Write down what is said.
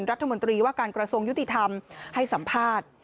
รัฐมนตรีว่าการกระทรวงยุติธรรมให้สัมภาษณ์